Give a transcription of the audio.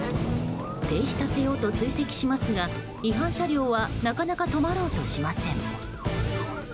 停止させようと追跡しますが違反車両はなかなか止まろうとしません。